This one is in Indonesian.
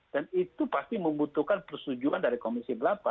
dan itu pasti membutuhkan persetujuan dari komisi delapan